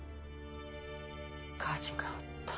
火事があった。